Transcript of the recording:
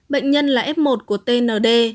bệnh nhân là f một của tnd